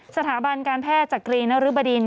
สถาบันการแพทย์จัดกรีย์ณริบดินคณะแพทยาศาสตร์